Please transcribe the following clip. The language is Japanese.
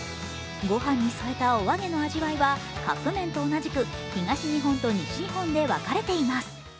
ご飯に添えたお揚げの味わいはカップ麺と同じく東日本と西日本で分かれています。